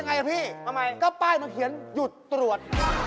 นี่เบิร์ด